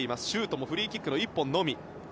シュートもフリーキックの１本のみ。